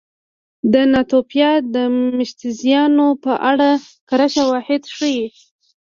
د ناتوفیان مېشتځایونو په اړه کره شواهد ښيي